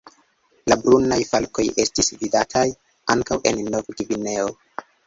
La Brunaj falkoj estis vidataj ankaŭ en Nov-Gvineo.